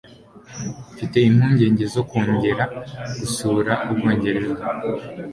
Mfite impungenge zo kongera gusura u Bwongereza.